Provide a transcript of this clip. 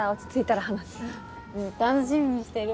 楽しみにしてる。